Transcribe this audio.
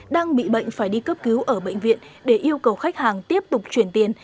đang bị bệnh phải đi cấp cứu ở bệnh viện để yêu cầu khách hàng tiếp tục chuyển tiền